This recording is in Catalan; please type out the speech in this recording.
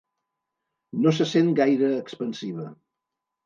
No se sent gaire expansiva.